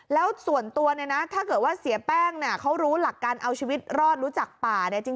แล้วส่วนตัวเนี่ยนะถ้าเกิดว่าเสียแป้งเนี่ยเขารู้หลักการเอาชีวิตรอดรู้จักป่าเนี่ย